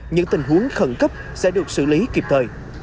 những tình huống khẩn cấp sẽ được xử lý kịp thời